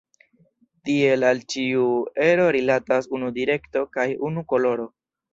Tiel al ĉiu ero rilatas unu direkto kaj unu koloro.